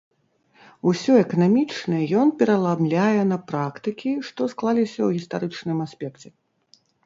Усё эканамічнае ён пераламляе на практыкі, што склаліся ў гістарычным аспекце.